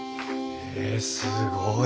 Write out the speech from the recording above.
へえすごい。